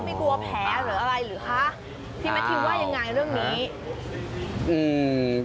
ไม่กลัวแผลหรืออะไรหรือคะพี่แมททิวว่ายังไงเรื่องนี้อืม